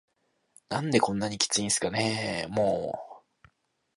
「何でこんなキツいんすかねぇ～も～…」